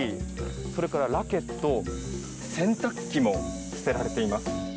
それからラケット洗濯機も捨てられています。